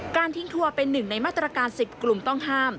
ทิ้งทัวร์เป็นหนึ่งในมาตรการ๑๐กลุ่มต้องห้าม